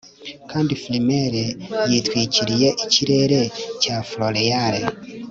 kandi frimaire yitwikiriye ikirere cya floréal